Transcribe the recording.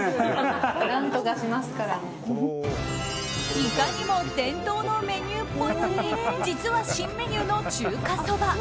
いかにも伝統のメニューっぽいのに実は、新メニューの中華そば。